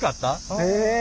へえ。